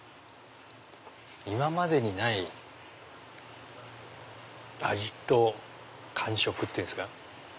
今までにない味と感触っていうんですか。